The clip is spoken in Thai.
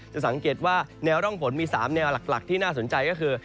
จะสังเกตว่าแนวร่องฝนมี๓แนวหลักที่น่าสนใจก็คือ